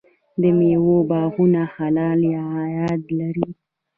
د میوو باغونه حلال عاید لري.